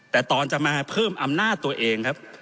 แต่ตอนจะมาเพิ่มอำนาจตัวเองครับ